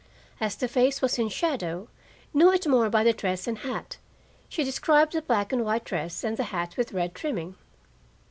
As the face was in shadow, knew it more by the dress and hat: she described the black and white dress and the hat with red trimming.